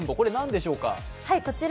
これ、何でしょうか。